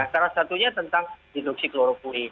salah satunya tentang reduksi kloropuri